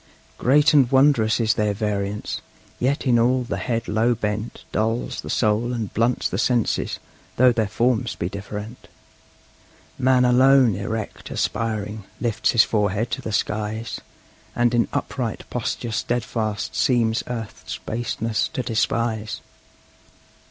Great and wondrous is their variance! Yet in all the head low bent Dulls the soul and blunts the senses, though their forms be different. Man alone, erect, aspiring, lifts his forehead to the skies, And in upright posture steadfast seems earth's baseness to despise.